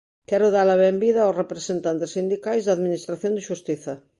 Quero dar a benvida aos representantes sindicais da Administración de xustiza.